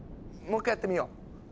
もう一回やってみよう。